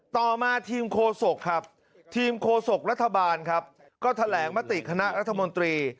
ต่อมาทีมโคศกครับทีมโคศกรัฐบาลครับก็แถลงมติคณะรัฐมนตรี